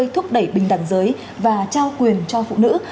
thúc đẩy bình đẳng giới và trao quyền cho phụ nữ